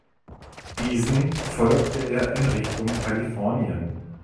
Diesen folgte er in Richtung Kalifornien.